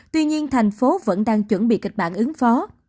tuy nhiên thành phố vẫn đang chuẩn bị kịch bản ứng phó